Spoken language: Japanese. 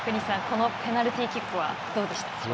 このペナルティーキックいかがでしたか？